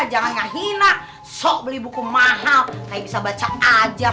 jangan ngahina sok beli buku mahal kayak bisa baca aja